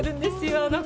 あの子。